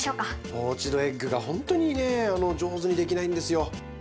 ポーチドエッグがほんとにね上手にできないんですよ。